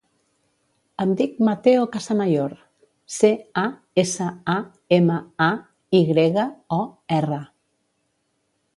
Em dic Matteo Casamayor: ce, a, essa, a, ema, a, i grega, o, erra.